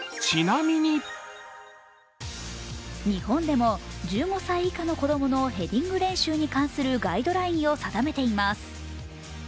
日本でも１５歳以下の子供のヘディング練習に関するガイドラインを定めています。